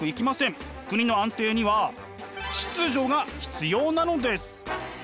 国の安定には「秩序」が必要なのです。